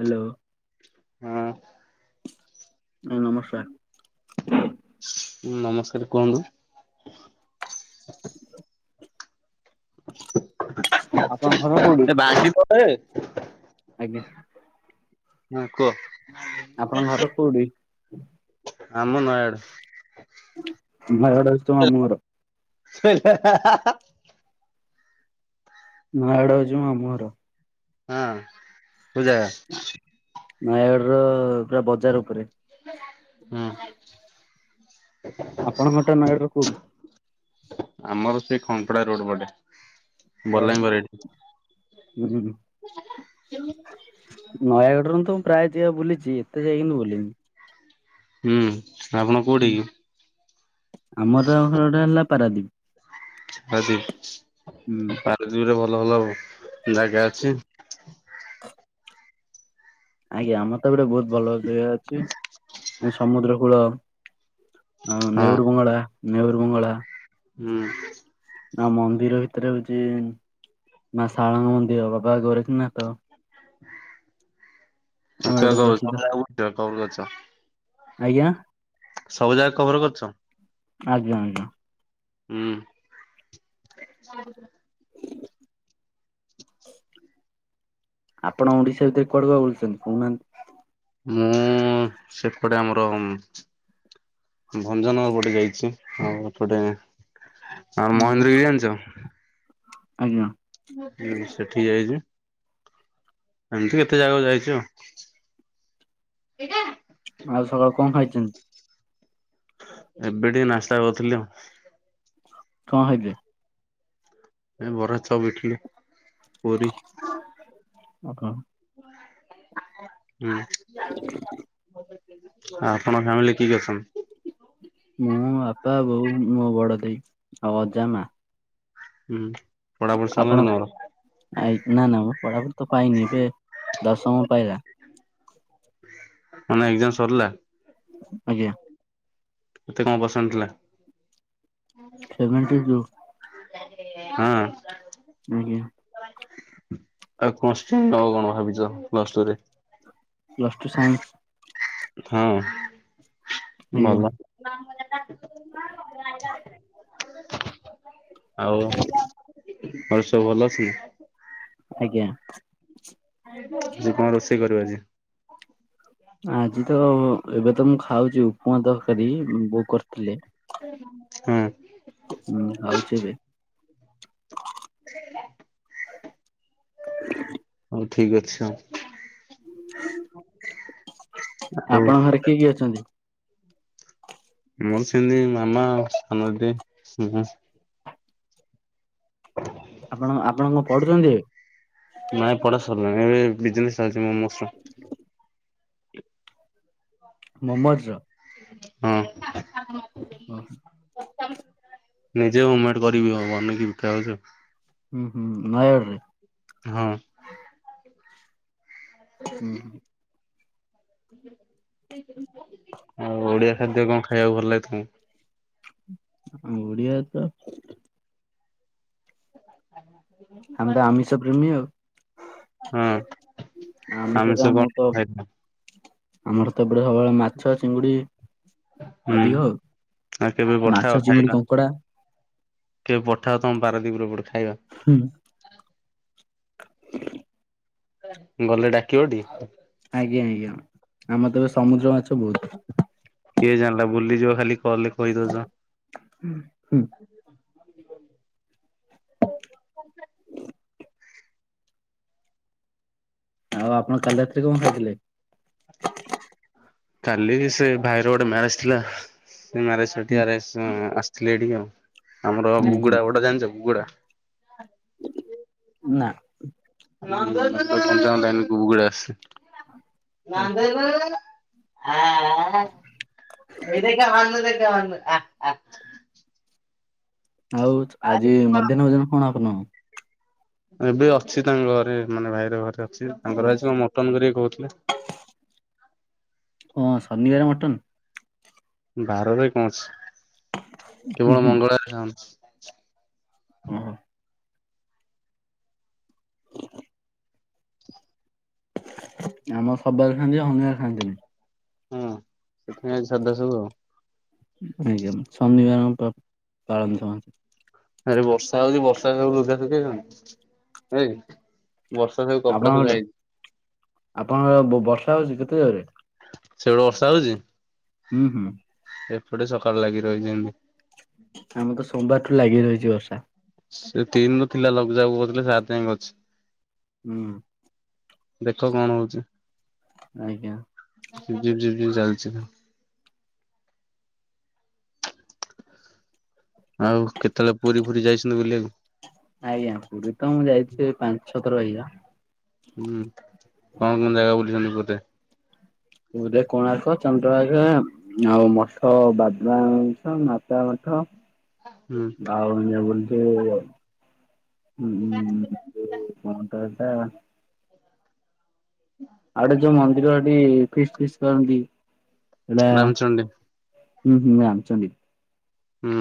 Hello. ହଁ। ହଁ ନମସ୍କାର। ମୋର ନମସ୍କାର କୁହନ୍ତୁ। ହେଁଏଁ ଆପଣଙ୍କ ହେଁଏଁ ଘର କୋଉଠି? ହେଁଏଁ ଏ ବାଗି ପଡେ। ଆଜ୍ଞା। ହଁ କୁହ। ଆପଣଙ୍କ ଘର କୋଉଠି? ହାଁ ମୁଁ ନୟାଗଡ ନୟାଗଡ଼ରେ ତୋର ମାମୁଁ ଘର। ହେଁ ହେଁ ହାଁ ହାଁ ନୟାଗଡ ହେଉଛି ମୋ ମାମୁଁ ଘର। ହଁ କୋଉଁ ଜାଗା? ନୟାଗଡ଼ର ପୁରା ବଜାର ଉପରେ। ଆପଣଙ୍କ ଘରଟା ନୟାଗଡ଼ର କୋଉଠି? ହଁ। ଆମର ସେଇ ଖଙ୍କପଡା ରୋଡ ପଟେ। ଓ ହୋ। ବଲାଙ୍ଗୀର ଏଠି ହୁଁ ହୁଁ। ନୟାଗଡ଼ରେ ତ ମୁଁ ପ୍ରାୟ ଯାଗା ବୁଲିଛି ଏତେ ଯାଇ କିନ୍ତୁ ବୁଲିନି ହୁଁ ଆପଣ କୋଉଁଠି କି? ଆମର ଘର ଟା ହେଲା ପାରାଦ୍ୱୀପ। ପାରାଦ୍ୱୀପ ହୁଁ। ଦୁଇରେ ଭଲ ଭଲ ଜାଗା ଅଛି ହ ଆଜ୍ଞା ଆମର ତ ଗୋଟେ ବହୁତ ଭଲ ଜାଗା ଅଛି ସମୁଦ୍ର କୂଳ ଆ ହଁ ନେଉରୁ ବଙ୍ଗଳା ନେଉରୁ ବଙ୍ଗଳା ହୁଁ ମନ୍ଦିର ଭିତରେ ହେଉଛି ମା ଶାରଳାଙ୍କ ମନ୍ଦିର ବାବା ଗେରେଖ ନାଥ ଆମର ଆଛା ଏଠୁ ପ୍ରସିଦ୍ଧ ଆଛା କେଉଁଠି ଅଛ ଆଜ୍ଞା ସବୁ ଜାଗା ଖବର କରୁଛ ଆଜ୍ଞା ଆଜ୍ଞା। ହୁଁ ଆପଣ ଓଡ଼ିଶା ଭିତରେ କୁଆଡ଼େ କୁଆଡ଼େ ବୁଲିଛନ୍ତି କହୁନାହାନ୍ତି ମୁଁ ସେପଟେ ଆମର ଭଞ୍ଜନଗର ପଟେ ଯାଇଛି ଆଉ ପଟେ ଆଉ ହୁଁ। ମହେନ୍ଦ୍ରଗିରି ଜାଣିଛ ଆଜ୍ଞା ହଁ ସେଠି ଯାଇଛି ଏମିତି କେତେ ଜାଗାକୁ ଯାଇଛି ଆଉ ଏଇଟା ଆଉ ସକାଳୁ କଣ ଖାଇଛନ୍ତି ଏବେ ଟିକେ ନାସ୍ତା କରିଥିଲି ଆଉ କଣ ଖାଇଥିଲେ ଏ ବରା ଚପ୍ ଇଟିଲି ପୁରୀ ଆପଣ? ହୁଁ ଆପଣଙ୍କ ଫ୍ୟାମିଲିରେ କିଏ କିଏ ଅଛନ୍ତି ମୁଁ ବାପା ବୋଉ ମୋ ବଡ଼ ଦେଇ ଆଉ ଅଜା ମା ହୁଁ ପଢାପଢି ସରିଲାଣି ଆପଣ ତମର? ନା ନା ମୁଁ ପଢ଼ାପଢ଼ି ତ ପାଇନି ଏବେ ଦଶମ ପାଇଲା ମାନେ ଏକ୍ଜାମ ସରିଲା ଆଜ୍ଞା କେତେ କଣ ପସେଣ୍ଟେ ଥିଲା ସେଭେଣ୍ଟି ଟୁ ହଁ ଆଜ୍ଞା ଆଉ କଣସି ନବ କଣ ଭାବିଛର ପ୍ଲସ୍ ଟୁ ସାଇନ୍ସି ହଁ ଆଜ୍ଞା ଭଲ ଆଉ ଘରେ ସବୁ ଭଲ ଅଛନ୍ତି ଆଜ୍ଞା ଆଜି କଣ ରୋଷେଇ କରିବ ଆଜି ଆଜି ତ ଏବେ ତ ମୁଁ ଖାଉଛି ଉପମା ତରକାରୀ ବେଉ କରିଥିଲେ ହୁଁ ହୁଁ ଖାଉଛି ଏବେ ହୁ ହୁ ସ ସ ଠିକ୍ ଅଛି ହଉ ଆଉ ଆପଣ ଘରେ କିଏ କିଏ ଅଛନ୍ତି ମୋର ସେମିତି ମାମା ଆ ସାନଦି ହୁ ହଁ। ଆପଣ ଆପଣ କଣ ପଢୁଛନ୍ତି? ନାଇଁ ପଢା ସରିଲାଣି ଏବେ ବିଜେ ଚାଲି ମ। ମହମ୍ମଦର। ହଁ। ଓହୋ। ନିଜେ ହମେଟ କରିବି, ବନେଇକି ବିକା ହଉଛି। ହୁଁ ହୁଁ। ହଁ। ହୁଁ। ହଉ ଓଡିଆ ଖାଦ୍ୟ କଣ ଖାଇବାକୁ ଭଲ ଲାଗେ? ତମ ଆଉ ଓଡିଆ ତ ଆ ଆମ ତ ଆମି ସବ ପ୍ରେମୀଉ ହଁ ଆମିଷ ଟା କଣ ଆମର ତ ଖାଇଥିଲ ଆମର ସେପଟ ସବୁବେଳେ ମାଛ ଚିଙ୍ଗୁଡି। ହୁଁ ଅଧିକ ଆଉ ଆଉ କେବେ ପଠାଅ ମାଛ ଚିଙ୍ଗୁଡି ଖାଇବା କଙ୍କଡା। କେବେ ପଠା ତମ ପାରାଦି ପୁରଟେ ଖାଇବା। ହୁଁ। ଗଲେ ଡାକିବ ଟିକେ। ଆଜ୍ଞା ଆଜ୍ଞା ଆମର ତ ଏବେ ସମୁଦ୍ର ମାଛ ବହୁତ। କିଏ ଜାଣିଲା ବୁଲିଯିବ ଖାଲି କହେ କହିଦଉଛ। ହୁଁ। ହିଁ। ଆଉ ଆପଣ କାଲି ରାତିରେ କଣ ଖାଇଥିଲେ? କାଲି ସେ ଭାଇର ଗୋଟେ ମ୍ୟାରେଜ ଥିଲା। ସେମାନୋରେଠିକରେ ଆସିଥିଲେ ଏଠିକେ ଆଉ ଆମର ହୁଁ ହୁଁ ବୁଗୁଡା ଗୋଟେ ଜାଣିଛ ବୁଗୁଡା। ନା। ତା ଏକୁୁକୁଡା ଆସ। ଏ ଦେ ଦେଖ ଆ ଆ। ଆଉ ଆଜି ମଧ୍ୟାହ୍ନ ଭୋଜନ କଣ ଆପଣ ଏବେ ଅଛି ତାଙ୍କ ଘରେ ମାନେ ଭାଇର ଘରେ ଅଛି ତାଙ୍କର ଭାଇଛି କଣ ମଟନ କରିକି କହୁଥିଲେ। ଓ ସର୍ନିବାର ମଟନ। ବାରରେ କଣ ଅଛି ହୁଁ କେବଳ ହୁଁ ମଙ୍ଗଳରେ ଚାହୁନ। ଓହୋ। ଆମ ସବାରେ ଖାଆନ୍ତି ହଙ୍ଗି ଖାଆନ୍ତିନି। ହଁ ସେଥିପାଇଁ ଆ ସାଧା ସବୁ ଆଉ। ଆ ସଧିବହ ପାଳନ ସମ ଆରେ ବର୍ଷା ହଉଛି ବର୍ଷା ଏ। ବର୍ଷା ହଉ। ଆପଣଙ୍କ ଆପଣଙ୍କ ବର୍ଷା ହଉଛି? କେତେ ଜରରେ ସେଗଡୁ ବର୍ଷା ହଉଛି। ହୁଁ ହୁଁ ଏପଟେ ସକାଳୁ ଲାଗି ରହିଛନ୍ତି। ଆମ ତ ସୋମବାର ଠୁ ଲାଗି ରହିଛି ବର୍ଷା। ସେ ତିନି ରୁ ଥିଲା ଲଘୁଚାପ କହୁଥିଲେ ସାତ୍ ଯାକେ ଅଛି। ହୁଁ। ଦେଖ କଣ ହୋଉଚି? ଆଜ୍ଞା। ଜିପ୍ ଜିପ୍ ଜିପ୍ ଯେମିତି ଚାଲିଚି ଆଉ କେତେବେଳେ ପୁରୀ ଫୁରୀ ଯାଇଛନ୍ତି ବୁଲିବାକୁ? ଆଜ୍ଞା ପୁରୀ ତ ମୁଁ ଯାଇଛି ପାଞ୍ଚ୍ ଛଅ ଥର ପରିକା ହୁଁ କଣ କଣ ଜାଗା ବୁଲିଛନ୍ତି ପୁରି ରେ? ପୁରୀ ରେ କୋଣାର୍କ ଚନ୍ଦ୍ରଭାଗା ଆଉ ମଠ ବାବା ମଠ ମାତା ମଠ ହୁଁ ଆଉ ଯୋଉ ତେ [inaudible] କଁ ତ ହେଟା? [inaudible] ଆଉ ଗୋଟେ ଯୋଉ ମନ୍ଦିର ଏଠି ଫିସ୍ ଫିସ୍ କରନ୍ତି ସେଟା ରାମଚଣ୍ଡୀ ହୁଁ ହୁଁ ରାମ୍ ଚଣ୍ଡୀ। ହୁଁ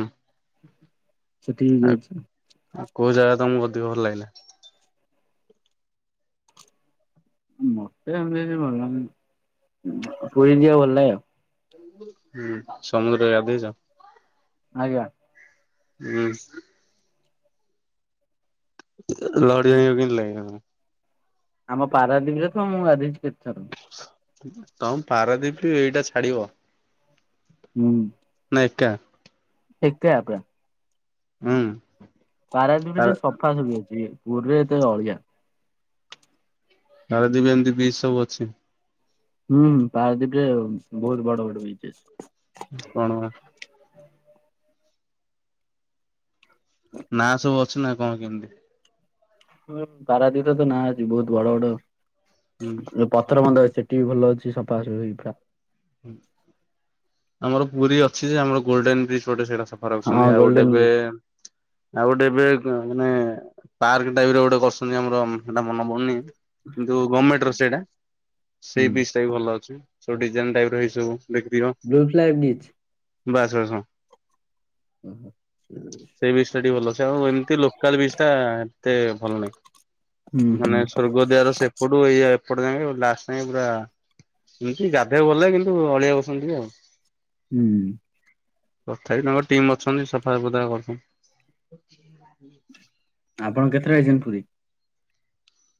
ସେଠିକି ଆ ଯାଇଛି। ଆଉ କୋଉ ଜାଗା ତମକୁ ଅଧିକ ଭଲ ଲାଗିଲା? ମୋତେ [inaudible] ପୁୁରୀ ଥିବା ଭଲ୍ ଲାଗେ। ହୁଁ ସମୁଦ୍ର ରେ ଗାଧେଇଚ? ଆଜ୍ଞା। ହୁଁ। ଲହଡ଼ି ଭାଙ୍ଗି ବାକୁ କେମିତି ଲାଗେ ଆ ଆମ ପାରାଦୀପ୍ ରେ ତ ମୁଁ ଗାଧୋଇଚି କେତେଥର ତମ ପାରାଦୀପ ରେ ଏଇଟା ଛାଡିବ ହୁଁ। ନା ଏକା। ଏକା ଆଗୁଆ ହୁଁ। ପାରାଦୀପ୍ ରେ ଟିକେ ପାରା ସଫାସଫି ଅଛି ପୁରୀରେ ଏତେ ଅଳିଆ ପାରାଦୀପ୍ ଏମ୍ତି ବିଚ୍ ସବୁ ଅଛି। ହୁଁ ପାରାଦୀପ୍ ରେ ବହୁତ୍ ବଡ ବଡ ବିଚ୍ ଅଛି। କଣ ବା। ନାଁ ସବୁ ଅ ଛି ନା କଣ କେମିତି? ହଁ ପାରାଦୀପ୍ ର ତ ନାଁ ଅଛି ବୋହୁତ୍ ବଡ ବଡ ହୁଁ। ପତ୍ର ବନ୍ଧ ଅଛି ସେଠି ବି ଭଲ ଅଛି ସଫା ସଫୀ ପୁରା ଆମର ପୁରୀ ଅଛି ଯେ ଆମର ଗୋଲ୍ଡେନ୍ ବିଚ୍ ପଟେ ସେଇଟା ସ ହଁ ରଖୁଛନ୍ତି ଆଉ ଗୋଟେ ଗୋଲ୍ଡେନ ଏବେ ବିଚ୍ ଆଉ ଗୋଟେ ଏବେ ମାନେ ପାର୍କ ଟାଇପ୍ ରେ ଗୋଟେ କରିଚନ୍ତି ଆମର ସେଟା ମନେ ପଡୁନି। କିନ୍ତୁ ଗମେଣ୍ଟ୍ ର ସେଇଟା ହୁଁ ସେଇ ବିଚ୍ ଟା ଭଲ ଅଛି ସବୁ ଡିଜାଇନ ଟାଇପ ର ହେଇଚି ସବୁ ବୀକ୍ରୀ ହଁ ବ୍ଲୁ ଫ୍ଲାଗ ବିଚ୍। ବାସ୍ ବାସ୍ ହଁ ସେଇ ବିଚ୍ ଟା ଟିକେ ଭଲ ଅଛି ଆଉ ଏମିତି ଲୋକାଲ୍ ବିଚ୍ ଟା ତେ ଭଲ ନାହିଁ ହୁଁ ହୁଁ ମାନେ ସ୍ୱର୍ଗ ଦ୍ୱାର ସେପଟୁ ଇ ଏପଟ ଯାକେ ଲାଷ୍ଟ ଯାକେ ପୁରା ଏମିତି ଗାଧୋଇବାକୁ ଭଲ ଲାଗେ କି ତୁ ଅଳିଆ ବସନ୍ତି ଆଉ? ହୁଁ। ତଥାପି ତାଙ୍କର ଟିମ୍ ଅଛନ୍ତି ସଫା ସୁୁତୁରା କରୁଛନ୍ତି। [inaudible] ଆପଣ କେତେଥର ଯାଇଛନ୍ତି ପୁରୀ?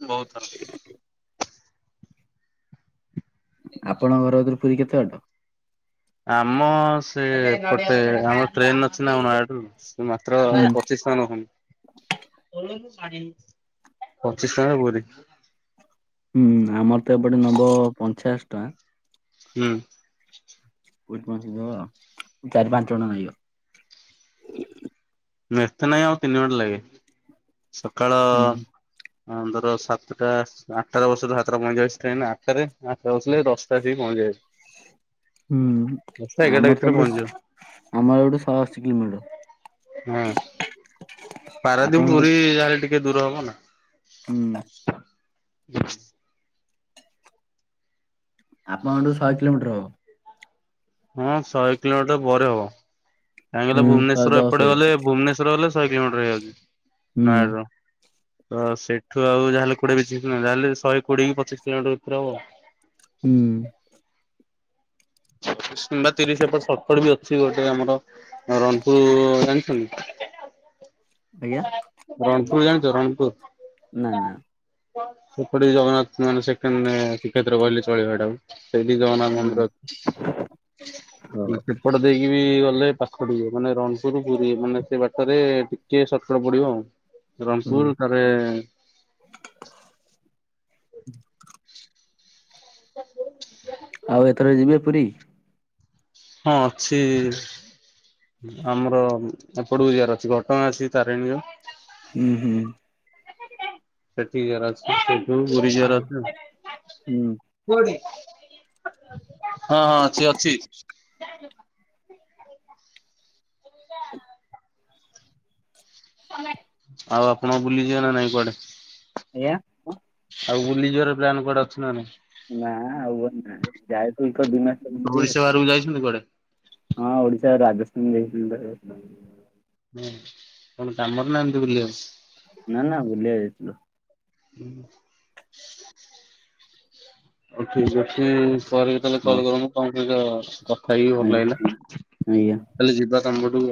ବହୁତ ଥର। ଆପଣଙ୍କ ଘର ଗତିରୁ ପୁରୀ କେତେ ବାଟ? ଆମ ସେ ପଟେ ଆମ ଟ୍ରେନ ଅଛି ନା ନୟାଗଡ଼ରୁ ସେ ମାତ୍ର ହୁଁ ପଚିଶ ପଚିଶ ଟଙ୍କାରେ ପୁରୀ। ହୁଁ ଆମର ତ ଏପଟେ ନେବ ପଞ୍ଚାଅଶୀ ଟଙ୍କା। ହୁଁ। [inaudible] ଚାରି ପାଞ୍ଚ ଜଣ ଲାଗିବ। ଏତେ ନହିଁ ଆଉ ତିନି ଘଣ୍ଟା ଲାଗେ ସକାଳ ହୁଁ ହଁ ଧର ସାତଟା ଆଠଟା ବସିଲୁ ସାତଟା ପଇଁଚାଳିଶ ଟ୍ରେନ ଆଠଟାରେ ଆଠଟା ବସିଲେ ଦଶଟା ଆସିକି ପହଞ୍ଚିଯାଇଛି। [inaudible] ହୁଁ ଏଗାରଟା ଆମର ତ ଭିତରେ ଏପଟେ ପହଞ୍ଚିଯିବ ଆମର ଏପଟେ ଶହେଅଶୀ କିଲୋମିଟର। ହୁଁ ପାରାଦୀପ୍ ଆପଣଙ୍କ ପୁରୀ କେତେ ଯାହାଲେ ଟିକେ ଦୂର ହବ ନା। ହୁଁ। [unintelligible] ଆପଣଙ୍କଠୁ ଶହେ କିଲୋମିଟର ହବ। ହଁ ଶହେ କିଲୋମିଟର ପରେ ହବ। କାହିଁକ କହିଲ ହୁଁ ଶହେ ଭୁବନେଶ୍ୱର ଦଶ ଏପଟେ ବାଗିଆ ଗଲେ ଭୁବନେଶ୍ୱର ଗଲେ ଶହେ କିଲୋମିଟର ହେଇଯାଉଛି ହୁଁ। ନୟାଗଡ଼ରୁ। ତ ସେଠୁ ଆଉ ଯହାଲେ କୋଡିଏ ପଚିଶ କିଲୋମିଟର ଯାହେଲେ ଶହେ କୋଡିଏ କି ପଚିଶ କିଲୋମିଟର ଭିତରେ ହବ। ହୁଁ। ଚିଶ କିମ୍ବା ତିରିଶ ଏପଟ ସତୁରି ବି ଅଛି। ଅଛି ଗୋଟେ ଆମର ରଣପୁର ଜାଣିଛନ୍ତି। ଆଜ୍ଞା। ରଣପୁର ଜାଣିଛ ରଣପୁର? ନା ନା। ସେପଟେ ଜଗନ୍ନାଥ ମାନେ ସେକେଣ୍ଡ ଶ୍ରୀକ୍ଷେତ୍ର କହିଲେ ଚଳିବ ହେଇଟାକୁ। ସେଇଠି ଜଗନ୍ନାଥ ହୁଁ ହଉ ମନ୍ଦିର ଦେଇକି ବି ଗଲେ ପାଖ ଟିକେ ମାନେ ରଣପୁର ପୁରୀ ମାନେ ସେ ବାଟରେ ଟିକେ ଶର୍କଟ ପଡିବ ଆଉ। ହୁଁ ରଣପୁର ତାରେ [inaudible] [inaudible] ଆଉ ଏଥର ଯିବେ? ପୁରୀ। ହଁ ଅଛି। ଆମର ଏପଟକୁ ଯିଆର ଅଛି ଘଟଗାଁ ଅଛି ତାରିଣୀ। ହୁଁ-ହୁଁ। ସେଠିକି ଯିବାର ଅଛି ସେଠୁ ପୁରୀ ଯିବାର ଅଛି ହୁଁ ଆଉ। [unintelligible] ହଁ ଅଛି ଅଛି [unintelligible] [inaudible] ଆଉ ଆପଣ ବୁଲିଯିବେ ନା ନାଇଁ କୁଆଡେ? ଆଜ୍ଞା? [unintelligible] ଆଉ ବୁଲିଯିବାର ପ୍ଲାନ୍ କୁଆଡେ ଅଛନ୍ତି ନା [unintelligible] [unintelligible] ଓଡିଶା ବାହାରକୁ ଯାଇଛନ୍ତି କୁଆଡେ? [unintelligible] ହଁ ଓଡିଶା ରାଜସ୍ଥାନ ଯାଇଥିଲ [unintelligible] [unintelligible] କଣ କାମରେ ନା ଏମତି ବୁଲିଆକୁ? ନା ନା ବୁଲିଆ ଯାଇଥିଲୁ। [unintelligible] [inaudible] ହଉ ଠିକ ଅଛି, [unintelligible] ତାହେଲେ କଲ ହଁ କରନ୍ତୁ ତମ ସହିତ କଥା ହେଇକି ଭଲ ଆଜ୍ଞା। ଲାଗିଲା, ତାହେଲେ ଯିବା ତମ ପଟକୁ ଆଉ।